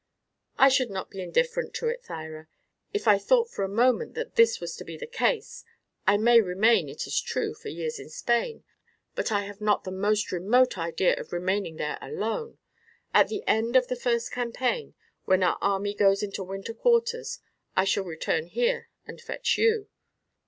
"I should not be indifferent to it, Thyra, if I thought for a moment that this was to be the case. I may remain, it is true, for years in Spain; but I have not the most remote idea of remaining there alone. At the end of the first campaign, when our army goes into winter quarters, I shall return here and fetch you."